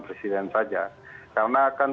presiden saja karena kan